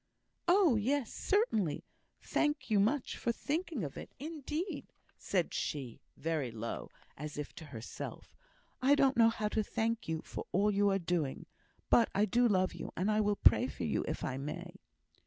"Oh, yes! certainly. Thank you much for thinking of it. Indeed," said she, very low, as if to herself, "I don't know how to thank you for all you are doing; but I do love you, and will pray for you, if I may."